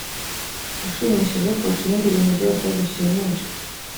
ushimishije kurusha ibindi bintu byose bishimisha